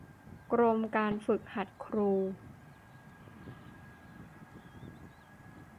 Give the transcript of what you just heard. กรมการฝึกหัดครู